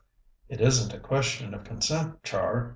"It isn't a question of consent, Char.